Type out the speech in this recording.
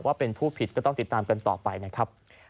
ว่าเป็นผู้ผิดก็ต้องติดตามกันต่อไปนะครับ